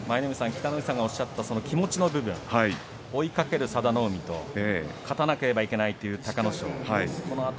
北の富士さんがおっしゃった気持ちの部分、追いかける佐田の海と勝たなければいけないという隆の勝。